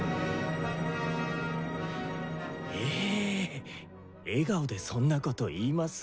え笑顔でそんなこと言います？